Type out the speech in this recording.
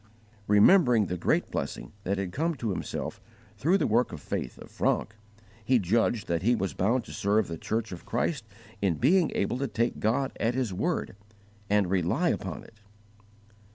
Remembering the great blessing that had come to himself through the work of faith of Francke, he judged that he was bound to serve the Church of Christ _in being able to take God at His word and rely upon it.